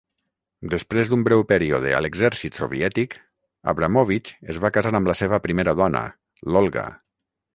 Després d'un breu període a l'exèrcit soviètic, Abramovich es va casar amb la seva primera dona, l'Olga.